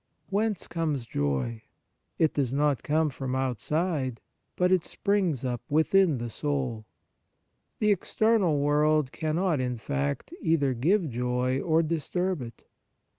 Whence comes joy ? It does not come from outside, but it springs up within the soul. The external world cannot, in fact, either give joy or disturb it.